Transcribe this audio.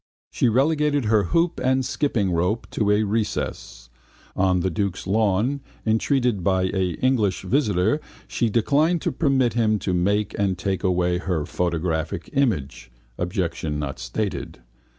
She relegated her hoop and skippingrope to a recess. On the duke's lawn, entreated by an English visitor, she declined to permit him to make and take away her photographic image (objection not stated).